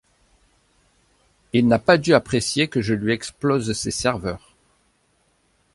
Il n’a pas dû apprécier que je lui explose ses serveurs.